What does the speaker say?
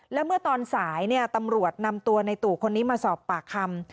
และเมื่อตอนสายตำรวจนำตัวในตู่คนนี้มาสอบปากคำ